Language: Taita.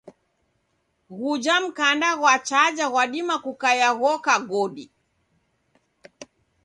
Ghuja mkanda ghwa chaja ghwadima kukaia ghoka godi.